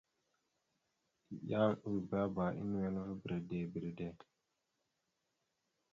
Yan ʉbebá a nʉwel ava bredey bredey.